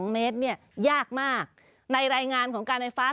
๒เมตรเนี่ยยากมากในรายงานของการไฟฟ้า